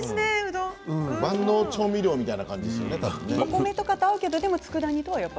万能調味料みたいな感じがするね。